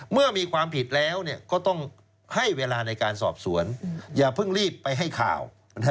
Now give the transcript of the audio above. เมื่อมีความผิดแล้วก็ต้องให้เวลาในการสอบสวนอย่าเพิ่งรีบไปให้ข่าว